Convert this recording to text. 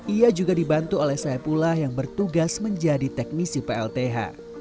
ia juga dibantu oleh saya pula yang bertugas menjadi teknisi plth